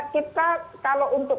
kita kalau untuk